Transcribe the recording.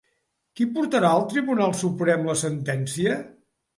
Qui portarà al Tribunal Suprem la sentència?